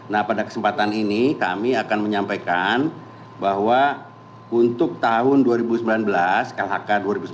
nah pada kesempatan ini kami akan menyampaikan bahwa untuk tahun dua ribu sembilan belas lhk dua ribu sembilan belas